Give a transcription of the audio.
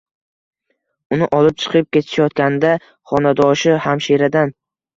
Uni olib chiqib ketishayotganda xonadoshi hamshiradan